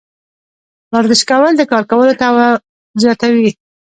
ورزش کول د کار کولو توان زیاتوي.